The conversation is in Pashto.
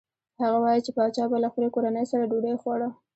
هغه وايي چې پاچا به له خپلې کورنۍ سره ډوډۍ خوړه.